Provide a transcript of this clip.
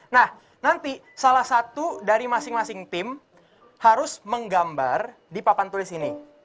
nah nanti salah satu dari masing masing tim harus menggambar di papan turis ini